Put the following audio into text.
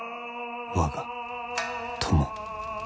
我が友。